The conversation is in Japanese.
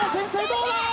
どうだ？